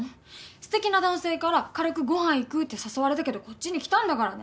素敵な男性から「軽くご飯行く？」って誘われたけどこっちに来たんだからね！